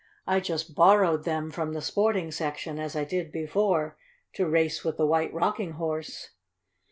"I just borrowed them from the sporting section, as I did before, to race with the White Rocking Horse."